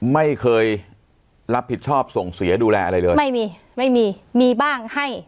ไม่เคยรับผิดชอบส่งเสียดูแลอะไรเลยไม่มีไม่มีมีบ้างให้